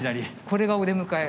これがお出迎え。